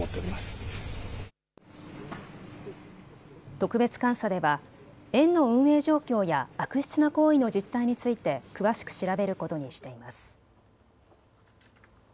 特別監査では園の運営状況や悪質な行為の実態について詳しく調べることにしています。